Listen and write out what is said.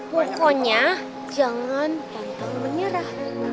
pokoknya jangan ganteng menyerah